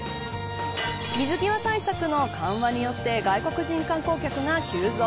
水際対策の緩和によって外国人観光客が急増。